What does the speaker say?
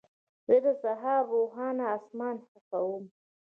زه د سهار روښانه اسمان خوښوم.